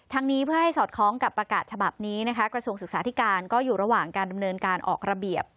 นี้เพื่อให้สอดคล้องกับประกาศฉบับนี้นะคะกระทรวงศึกษาธิการก็อยู่ระหว่างการดำเนินการออกระเบียบ